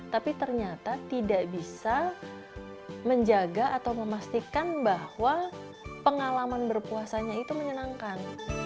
tapi ternyata tidak bisa menjaga atau memastikan bahwa pengalaman berpuasanya itu menyenangkan